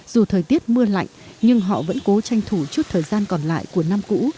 dù thời tiết mưa lạnh nhưng họ vẫn cố tranh thủ chút thời gian còn lại của năm cũ